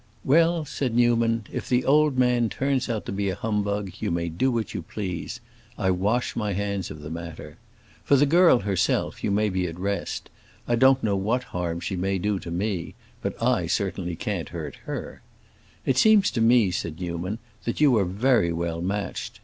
"Well," said Newman, "if the old man turns out a humbug, you may do what you please. I wash my hands of the matter. For the girl herself, you may be at rest. I don't know what harm she may do to me, but I certainly can't hurt her. It seems to me," said Newman, "that you are very well matched.